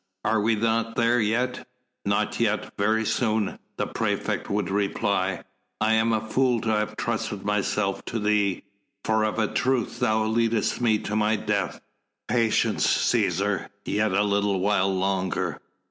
"Are we not there yet?" "Not yet. Very soon," the praefect would reply. "I am a fool to have trusted myself to thee, for of a truth thou leadest me to my death." "Patience, Cæsar, yet a little while longer."